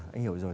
anh hiểu rồi